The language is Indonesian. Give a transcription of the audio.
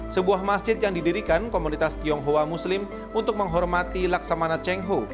sebuah masjid yang didirikan komunitas tionghoa muslim untuk menghormati laksamana cheng ho